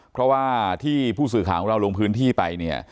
เพราะว่าที่ผู้สื่อข่าวของเราลงพื้นที่ไปเนี่ย